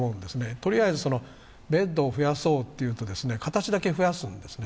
とりあえず、ベッドを増やそうというと形だけ増やすんですね。